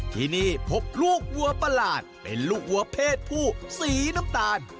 ที่นี่พบลูกวัวประหลาดเป็นลูกวัวเพศผู้สีน้ำตาล